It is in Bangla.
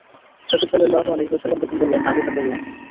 রাসূল সাল্লাল্লাহু আলাইহি ওয়াসাল্লাম তখন বললেন, আমি তা করলাম।